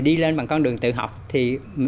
đi lên bằng con đường tự học thì